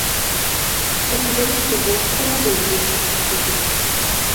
Я павялічыў бы ў сто разоў лік такіх людзей.